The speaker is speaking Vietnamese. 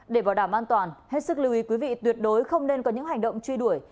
để bảo đảm an toàn hết sức lưu ý quý vị tuyệt đối không nên có những hành động truy đuổi